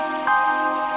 ini merupakan sahabatmu